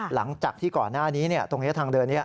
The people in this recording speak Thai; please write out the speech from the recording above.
หลังจากที่ก่อนหน้านี้ตรงนี้ทางเดินนี้